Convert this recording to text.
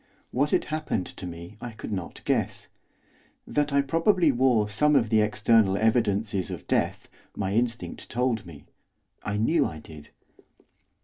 What had happened to me I could not guess. That I probably wore some of the external evidences of death my instinct told me, I knew I did.